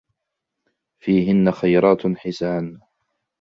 فيهن خيرات حسان